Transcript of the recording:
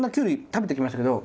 食べてきましたけど